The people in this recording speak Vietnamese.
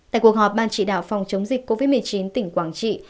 tại cuộc họp ban chỉ đạo phòng chống dịch covid một mươi chín tỉnh quảng trị